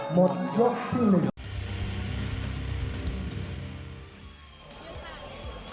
หมดยกสิ้นนึง